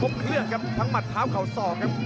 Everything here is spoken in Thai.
ครับพบเครื่องครับดับปลายปืนกำลังมัดเท้าเข้าศอกครับ